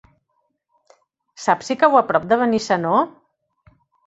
Saps si cau a prop de Benissanó?